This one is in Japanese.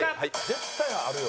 絶対あるよ。